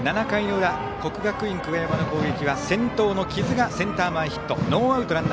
７回の裏国学院久我山の攻撃は先頭の木津がセンター前ヒット。